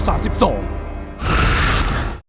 โปรดติดตามตอนต่อไป